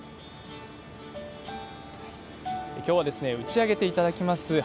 きょうは打ち上げていただきます